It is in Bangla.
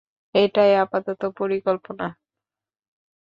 এটাই আপাতত পরিকল্পনা!